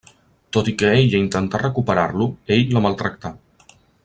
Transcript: Tot i que ella intentà recuperar-lo, ell la maltractà.